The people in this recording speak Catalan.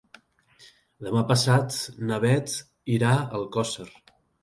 Demà passat na Beth irà a Alcosser.